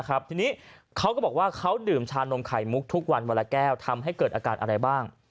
ทีนี้เขาก็บอกว่าเขาดื่มชานมไข่มุกทุกวันวันละแก้วทำให้เกิดอาการอะไรบ้าง